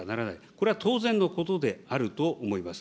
これは当然のことであると思います。